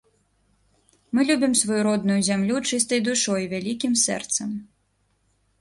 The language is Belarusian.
Мы любім сваю родную зямлю чыстай душой і вялікім сэрцам.